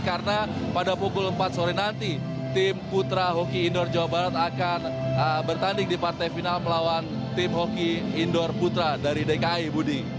karena pada pukul empat sore nanti tim putra hoki indoor jawa barat akan bertanding di partai final melawan tim hoki indoor putra dari dki budi